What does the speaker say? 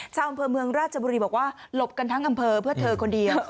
ชาวอำเภอเมืองราชบุรีบอกว่าหลบกันทั้งอำเภอเพื่อเธอคนเดียว